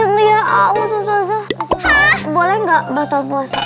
ah ustazah boleh gak batal puasa